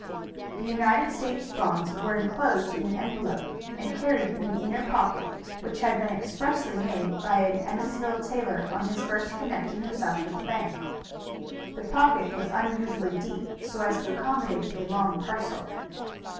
The United States bonds were inclosed in an envelope and carried in an inner pocket, which had been expressly made by an Emmonsville tailor on his first connecting himself with the bank. The pocket was unusually deep, so as to accommodate a long parcel.